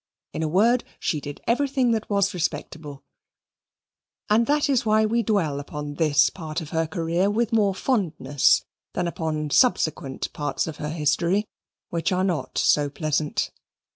In a word, she did everything that was respectable, and that is why we dwell upon this part of her career with more fondness than upon subsequent parts of her history, which are not so pleasant.